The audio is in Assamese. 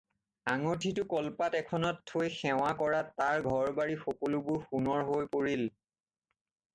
আঙঠিটো কলপাত এখনত থৈ সেৱা কৰাত তাৰ ঘৰ-বাৰী সকলোবোৰ সোণৰ হৈ পৰিল।